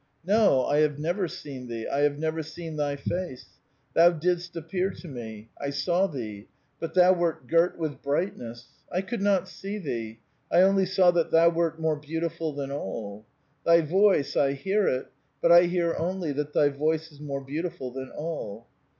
" No, I have never seen thee ; I have never seen thy face : thou didst appear to me ; I saw thee ; but thou wert girt with brightness. I could not see thee ; I only saw that thou wert more beautiful than all. Thy voice, I hear it, but I hear only that thv voice is more beautiful than all."